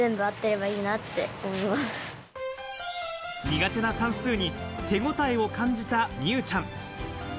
苦手な算数に手応えを感じた美羽ちゃん。